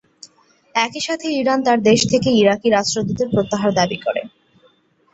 একই সাথে ইরান তার দেশ থেকে ইরাকী রাষ্ট্রদূতের প্রত্যাহার দাবী করে।